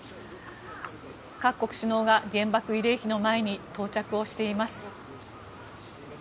各国首脳が原爆慰霊碑の前に到着しています。